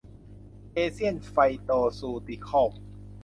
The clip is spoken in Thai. เอเชียน ไฟย์โตซูติคอลส์